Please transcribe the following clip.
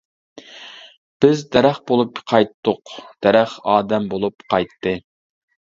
بىز دەرەخ بولۇپ قايتتۇق، دەرەخ ئادەم بولۇپ قايتتى.